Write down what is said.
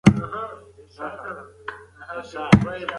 تسلي چا ته ډېره اړینه ده؟